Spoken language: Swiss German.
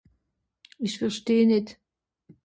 isch versteh nìt